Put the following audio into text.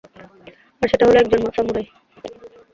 আর সেটা হল একজন সামুরাই।